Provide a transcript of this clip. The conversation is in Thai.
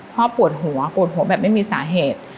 ปวดหัวปวดหัวแบบไม่มีสาเหตุ